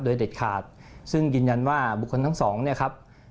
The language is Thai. โดยเด็ดขาดซึ่งยืนยันว่าบุคคลทั้งสองเนี่ยครับ